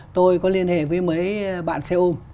tôi có liên hệ với mấy bạn xe ôm